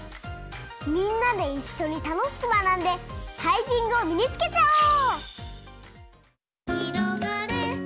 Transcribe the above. みんなでいっしょにたのしくまなんでタイピングをみにつけちゃおう！